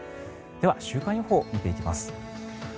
では、週間予報見ていきます。